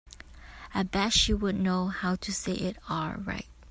I bet you she'd know how to say it all right.